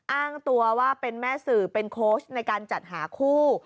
อ้างตัวว่าเป็นแม่สื่อเป็นโค้ชในการจัดหาคู่